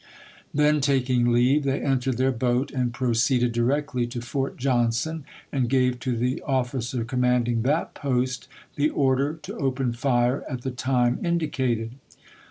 Then taking leave, they entered their boat and proceeded directly to Fort Johnson, and Lee^to and gave to the officer commanding that post " the Api.^Qfisei. ,.. T 1 , W. R. Vol. order to open fire at the time indicated."